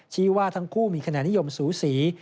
ว่าทั้งคู่มีคะแนนนิยมสูสี